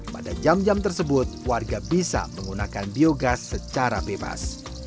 pada jam jam tersebut warga bisa menggunakan biogas secara bebas